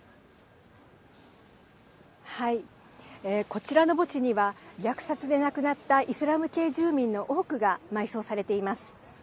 こちらの墓地には虐殺で亡くなったイスラム系住民の多くが埋葬されています。